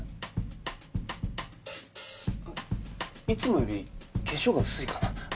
いつもより化粧が薄いかな。